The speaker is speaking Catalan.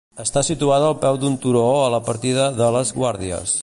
Està situada al peu d'un turó, a la partida de "Les Guàrdies".